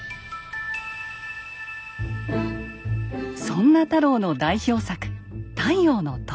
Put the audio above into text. そんな太郎の代表作「太陽の塔」。